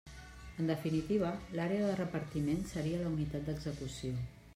En definitiva, l'àrea de repartiment seria la unitat d'execució.